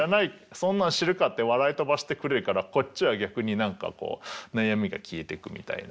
そんなん知るか！」って笑い飛ばしてくれるからこっちは逆に何か悩みが消えてくみたいな。